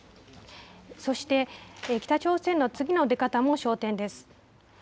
そして、北朝鮮の次の出方も焦点です。